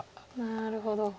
なるほど。